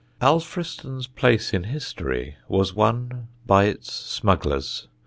Alfriston's place in history was won by its smugglers.